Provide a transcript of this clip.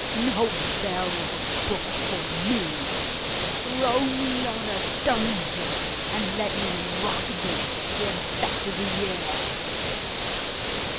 No bell or book for me! Throw me on a dunghill, and let me rot there, to infect the air!